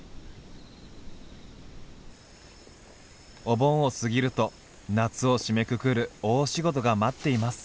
お盆を過ぎると夏を締めくくる大仕事が待っています。